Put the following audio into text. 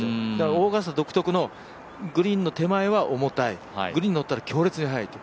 オーガスタ独特のグリーンの手前は重たいグリーンにのったら強烈に速いと。